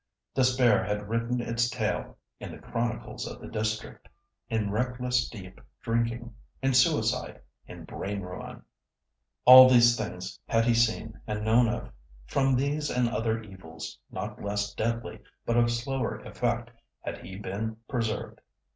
Despair had written its tale in the chronicles of the district, in reckless deep drinking, in suicide, in brain ruin. All these things had he seen and known of. From these and other evils, not less deadly, but of slower effect, had he been preserved.